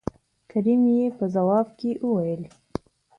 کريم يې په ځواب کې وويل